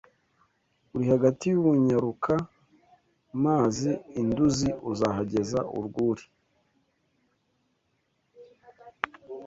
Uri hagati y'u Bunyaruka-mazi i Nduzi uzahageza urwuri